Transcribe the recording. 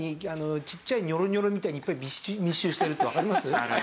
ちっちゃいニョロニョロみたいにいっぱい密集してるってわかります？